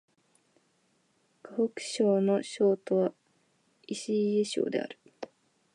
河北省の省都は石家荘である